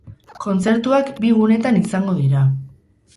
Kontzertuak bi gunetan izango dira.